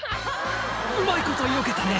うまいことよけたね